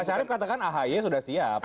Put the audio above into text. pak sarip katakan ahy sudah siap